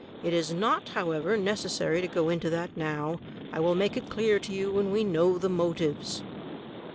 It is not, however, necessary to go into that now. I will make it clear to you when we know the motives."